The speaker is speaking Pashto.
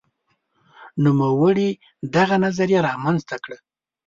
نوموړي دغه نظریه رامنځته کړه.